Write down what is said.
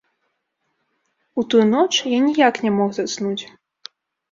У тую ноч я ніяк не мог заснуць.